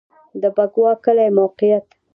د بکوا کلی موقعیت